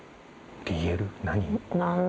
ＤＬ何？